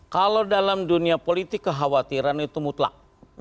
kalau dalam dunia politik kekhawatiran itu mutlak